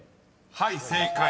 ［はい正解。